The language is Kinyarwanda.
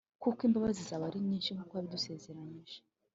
Kuko imbabazi zawe ari nyinshi nkuko wazidusezeranyije